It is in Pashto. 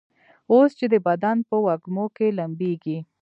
اوس چي دي بدن په وږمو کي لمبیږي